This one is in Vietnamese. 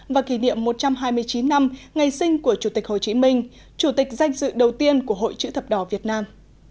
và kỷ niệm một trăm hai mươi chín năm ngày sinh của chủ tịch hồ chí minh chủ tịch danh dự đầu tiên của hội chữ thập đỏ việt nam